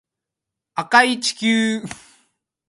First and signed handed players for professional football clubs.